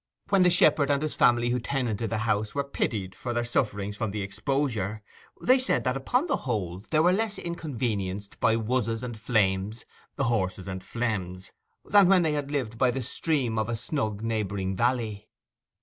When the shepherd and his family who tenanted the house were pitied for their sufferings from the exposure, they said that upon the whole they were less inconvenienced by 'wuzzes and flames' (hoarses and phlegms) than when they had lived by the stream of a snug neighbouring valley.